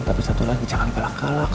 tapi satu lagi jangan kalak galak